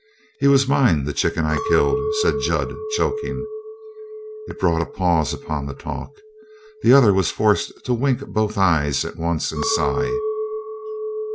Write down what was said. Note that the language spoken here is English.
"He was mine, the chicken I killed," said Jud, choking. It brought a pause upon the talk. The other was forced to wink both eyes at once and sigh.